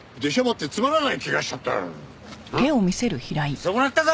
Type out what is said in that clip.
見損なったぞ！